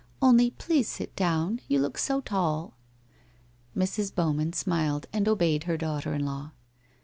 ' Only please sit down — you look so tall.' Mrs. Bowman smiled and obeyed her daughter in law.